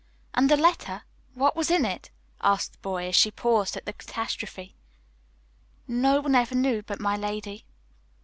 "And the letter? What was in it?" asked the boy, as she paused at the catastrophe. "No one ever knew but my lady."